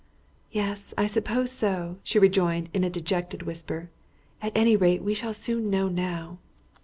"Yes. I suppose so," she rejoined in a dejected whisper. "At any rate we shall soon know now."